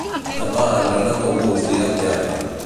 Demà en Renat August irà al teatre.